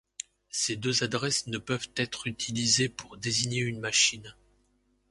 Ces deux adresses ne peuvent être utilisées pour désigner une machine.